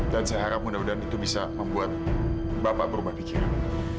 dan saya harap mudah mudahan itu bisa membuat bapak berubah pikiran